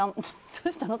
どうしたの？